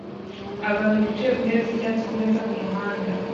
Abantu bicaye ku ntebe z'icyatsi kumeza kumuhanda